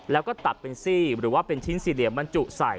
แล้วก็ตัดเป็นซี่หรือว่าเป็นชิ้นสี่เหลี่ยมบรรจุใส่